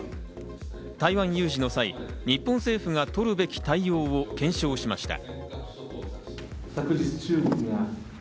台湾有事の際、日本政府が取るべき対応を検証しました。